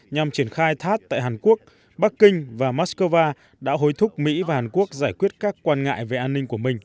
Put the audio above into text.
nhằm triển khai thác tại hàn quốc bắc kinh và moscow đã hối thúc mỹ và hàn quốc giải quyết các quan ngại về an ninh của mình